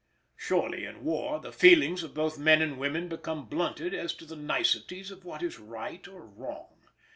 Surely in war the feelings of both men and women become blunted as to the niceties of what is right or wrong.